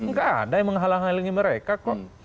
nggak ada yang menghalangi mereka kok